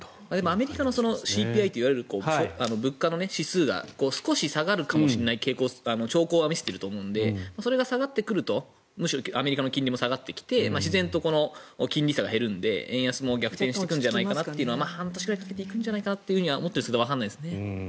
アメリカのＣＰＩといわれる物価の指数が少し下がるかもしれない兆候は見せていると思うのでそれが下がってくるとアメリカの金利も下がってきて自然と金利差が減るので円安も逆転するんじゃないかなと半年ぐらいかけて行くんじゃないかなと思っていますがわかりませんね。